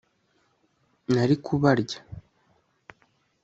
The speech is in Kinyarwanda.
nari kubarya